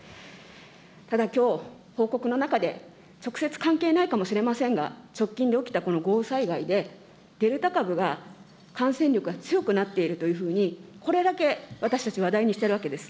ただきょう、報告の中で直接関係ないかもしれませんが、直近で起きたこの豪雨災害で、デルタ株が感染力が強くなっているというふうにこれだけ私たち話題にしているわけです。